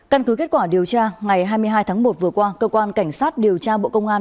căn cứ kết quả điều tra ngày hai mươi hai tháng một vừa qua cơ quan cảnh sát điều tra bộ công an